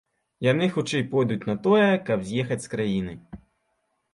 Яны хутчэй пойдуць на тое, каб з'ехаць з краіны.